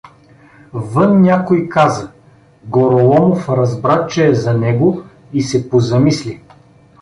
Вън някой каза: Гороломов разбра, че е за него, и се позамисли.